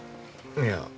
いや。